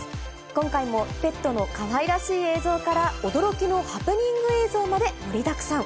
今回もペットのかわいらしい映像から、驚きのハプニング映像まで盛りだくさん。